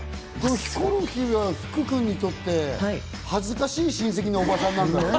ヒコロヒーは福君にとって恥ずかしい親戚のおばさんなんだね。